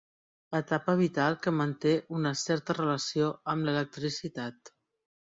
Etapa vital que manté una certa relació amb l'electricitat.